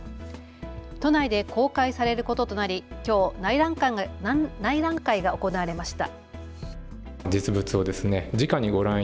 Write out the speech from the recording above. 都内で公開されることとなりきょう内覧会が行われました。